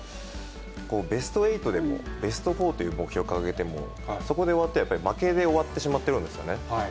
ベスト８でも、ベスト４という目標を掲げても、そこで終わっては、やっぱり負けで終わってしまってるんですかね。